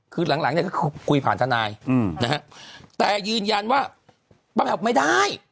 คือหลังเนี่ยก็คือคุยผ่านทนายนะฮะแต่ยืนยันว่าป้าแมวไม่ได้